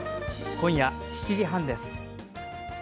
今夜７時半です。